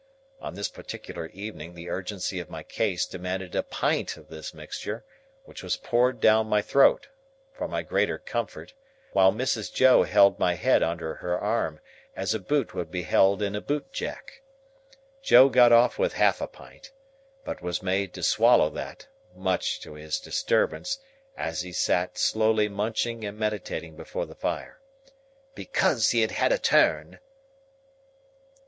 On this particular evening the urgency of my case demanded a pint of this mixture, which was poured down my throat, for my greater comfort, while Mrs. Joe held my head under her arm, as a boot would be held in a bootjack. Joe got off with half a pint; but was made to swallow that (much to his disturbance, as he sat slowly munching and meditating before the fire), "because he had had a turn."